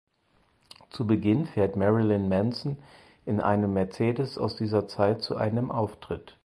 Zu Beginn fährt Marilyn Manson in einem Mercedes aus dieser Zeit zu einem Auftritt.